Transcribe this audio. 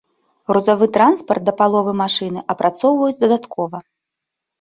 Грузавы транспарт да паловы машыны апрацоўваюць дадаткова.